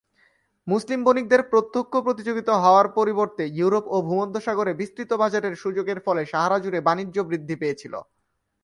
মুসলিম বণিকদের প্রত্যক্ষ প্রতিযোগী হওয়ার পরিবর্তে ইউরোপ ও ভূমধ্যসাগরে বিস্তৃত বাজারের সুযোগের ফলে সাহারা জুড়ে বাণিজ্য বৃদ্ধি পেয়েছিল।